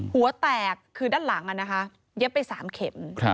หัวแตกคือด้านหลังเย็บไป๓เข็ม